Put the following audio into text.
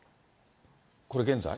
これ現在？